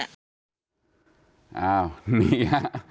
อ้าวนี่ฮะ